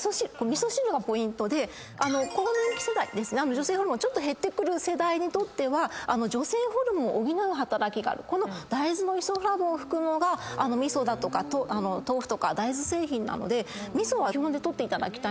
女性ホルモンが減ってくる世代にとっては女性ホルモンを補う働きがあるこの大豆のイソフラボンを含むのが味噌だとか豆腐とか大豆製品なので味噌は基本取っていただきたい。